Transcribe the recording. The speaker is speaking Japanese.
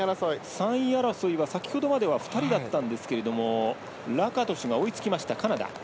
３位争い、先ほどまでは２人だったんですけどラカトシュが追いつきましたカナダ。